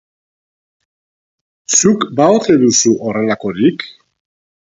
Zuk ba ote duzu horrelakorik?